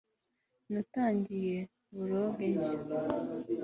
natangiye blog nshya